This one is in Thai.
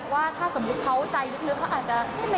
ว่าถ้าสมมุติเขาใจลึกเขาอาจจะ